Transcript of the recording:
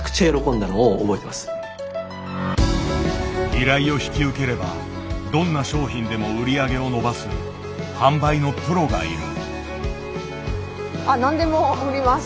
依頼を引き受ければどんな商品でも売り上げを伸ばす販売のプロがいる。